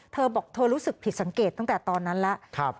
เธอบอกเธอรู้สึกผิดสังเกตตั้งแต่ตอนนั้นแล้ว